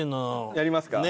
やりますか？